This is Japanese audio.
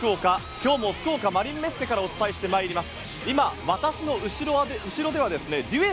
今日も福岡マリンメッセからお伝えしてまいります。